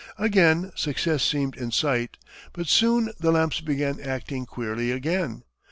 Again success seemed in sight, but soon the lamps began acting queerly again.